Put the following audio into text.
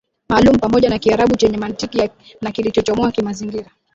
maalumu pamoja na Kiarabu chenye mantiki na kilichokomoa kimazingira